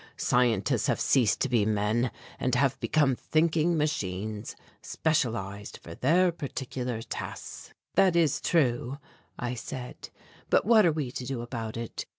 Scientists have ceased to be men, and have become thinking machines, specialized for their particular tasks." "That is true," I said, "but what are we to do about it?